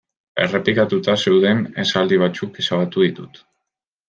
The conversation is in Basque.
Errepikatuta zeuden esaldi batzuk ezabatu ditut.